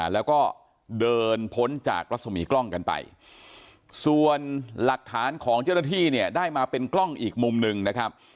แล้วก็เดินพ้นจากรัศมีกล้องกันไปส่วนหลักฐานของเจ้าหน้าที่เนี่ยได้มาเป็นกล้องอีกมุมหนึ่งนะครับ